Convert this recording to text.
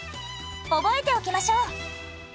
覚えておきましょう。